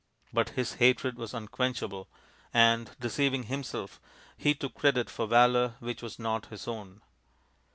But his hatred was unquenchable, and, de ceiving himself, he took credit for valour which was not his own.